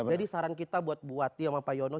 jadi saran kita buat buati sama pak yono